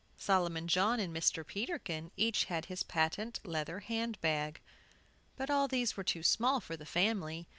Solomon John and Mr. Peterkin, each had his patent leather hand bag. But all these were too small for the family.